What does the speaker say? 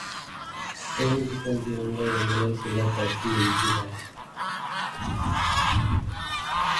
துங்கிக் கொண்டிருந்த எங்களை சிலர் தட்டி எழுப்பினார்கள்.